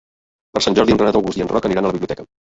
Per Sant Jordi en Renat August i en Roc aniran a la biblioteca.